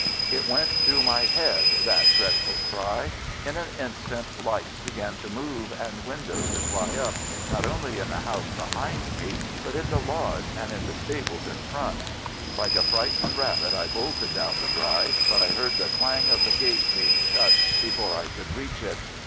It went through my head, that dreadful cry. In an instant lights began to move and windows to fly up, not only in the house behind me, but at the lodge and in the stables in front. Like a frightened rabbit I bolted down the drive, but I heard the clang of the gate being shut before I could reach it.